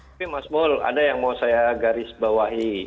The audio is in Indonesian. tapi mas mul ada yang mau saya garis bawahi